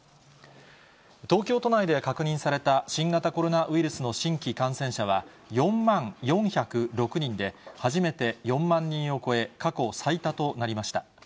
東京都内で確認された新型コロナウイルスの新規感染者は４万４０６人で、初めて４万人を超え、過去最多となりました。